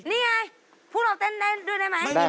นี่ไงพวกเราเต้นได้ด้วยได้ไหม